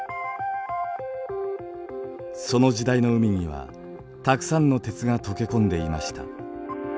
その時代の海にはたくさんの鉄が溶け込んでいました。